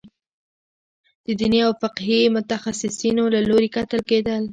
د دیني او فقهي متخصصینو له لوري کتل کېدل.